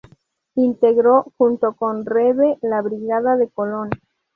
Integró, junto con Reeve, la brigada de Colón.